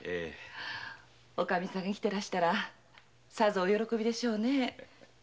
おかみさん生きてたらさぞお喜びでしょうねぇ。